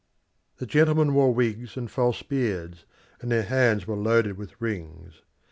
The gentlemen wore wigs and false beards, and their hands were loaded with rings.